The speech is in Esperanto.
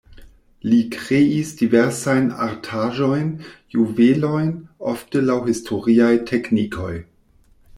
Li kreis diversajn artaĵojn, juvelojn ofte laŭ historiaj teknikoj.